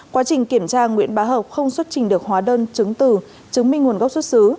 quá trình kiểm tra nguyễn bá hợp không xuất trình được hóa đơn chứng từ chứng minh nguồn gốc xuất xứ